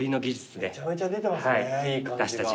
めちゃめちゃ出てますねいい感じが。